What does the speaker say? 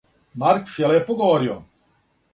Маркс је лепо говорио.